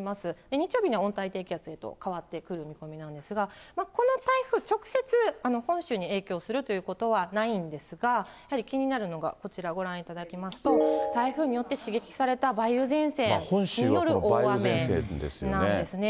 日曜日には温帯低気圧へと変わってくる見込みなんですが、この台風、直接本州に影響するということはないんですが、やはり気になるのがこちら、ご覧いただきますと、台風によって刺激された梅雨前線による大雨なんですね。